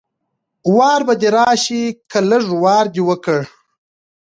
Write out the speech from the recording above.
وار به دې راشي که لږ وار دې وکړ